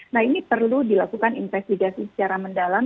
nah ini perlu dilakukan investigasi secara mendalam